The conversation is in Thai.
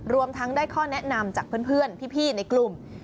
รวมทั้งได้ข้อแนะนำจากเพื่อนพี่ในกลุ่ม